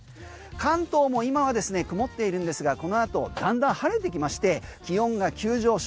関東も今はですね曇っているんですがこの後だんだん晴れてきまして気温が急上昇。